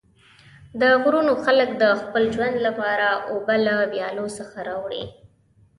د غرونو خلک د خپل ژوند لپاره اوبه له ویالو څخه راوړي.